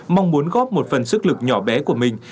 mong muốn góp một phần sức lực nhỏ bé của mình